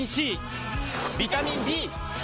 ビタミン Ｂ！